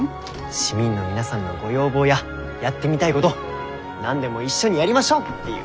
市民の皆さんのご要望ややってみたいごど何でも一緒にやりましょうっていう。